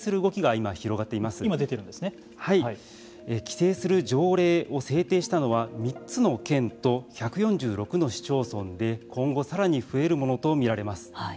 規制する条例を制定したのは３つの県と１４６の市町村で今後さらに増えるものと見られます。